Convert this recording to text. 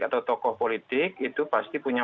atau tokoh politik itu pasti punya